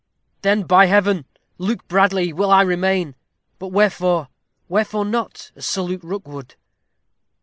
"Then, by Heaven! Luke Bradley will I remain. But wherefore wherefore not as Sir Luke Rookwood?"